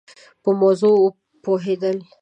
په موضوع پوهېد ل